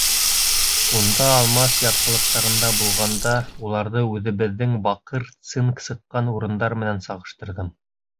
Унда алмаз ятҡылыҡтарында булғанда уларҙы үҙебеҙҙең баҡыр-цинк сыҡҡан урындар менән сағыштырҙым.